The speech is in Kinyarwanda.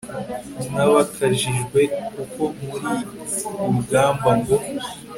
nk'abakijijwe, kuko muri ku rugamba, ngo